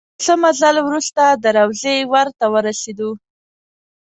د څه مزل وروسته د روضې ور ته ورسېدو.